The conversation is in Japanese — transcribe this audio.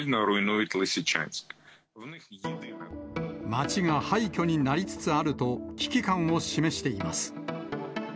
町が廃虚になりつつあると、危機感を示しています。